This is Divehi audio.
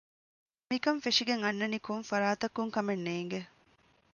މިކަން ފެށިގެން އަންނަނީ ކޮށްފަރާތަކުން ކަމެއް ނޭނގެ